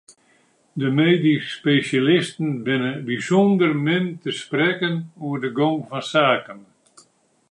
De medysk spesjalisten binne bysûnder min te sprekken oer de gong fan saken.